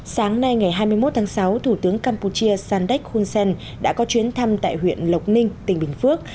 sáng nay ngày hai mươi một tháng sáu thủ tướng campuchia sandek hunsen đã có chuyến thăm tại huyện lộc ninh tỉnh bình phước